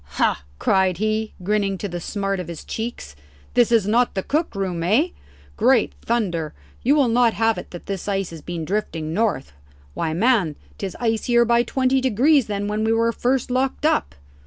"Ha!" cried he, grinning to the smart of his cheeks, "this is not the cook room, eh? Great thunder, you will not have it that this ice has been drifting north? Why, man, 'tis icier by twenty degrees than when we were first locked up."